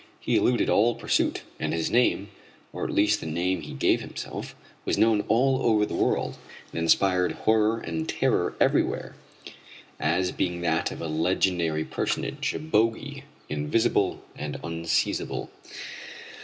He eluded all pursuit, and his name or at least the name he gave himself was known all over the world, and inspired horror and terror everywhere, as being that of a legendary personage, a bogey, invisible and unseizable.